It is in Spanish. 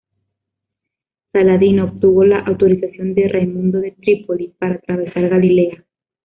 Saladino obtuvo la autorización de Raimundo de Trípoli para atravesar Galilea.